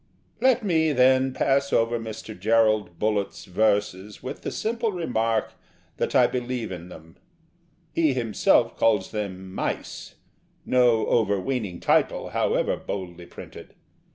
Let me, then, pass over Mr Gerald Bullett's verses with the simple remark that I believe in them (he himself calls them 'MICE' no overweening title, however boldly printed.